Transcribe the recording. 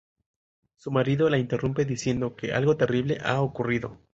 Su marido la interrumpe, diciendo que algo terrible ha ocurrido.